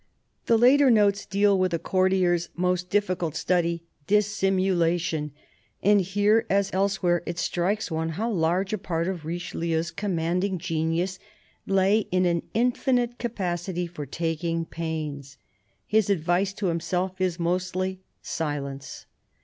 The later notes deal with a courtier's most difficult study, dissimulation, and here, as elsewhere, it strikes one how large a part of Richelieu's commanding genius lay in " an infinite capacity for taking pains." His advice to himself is mostly —" Silence."